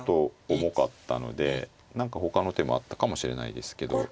重かったので何かほかの手もあったかもしれないですけど